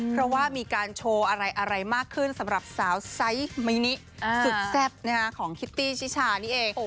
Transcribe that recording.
เพราะว่ามีการโชว์อะไรมากขึ้นสำหรับสาวไซส์มินิสุดแซ่บของคิตตี้ชิชานี่เอง